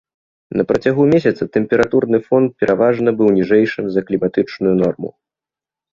На працягу месяца тэмпературны фон пераважна быў ніжэйшым за кліматычную норму.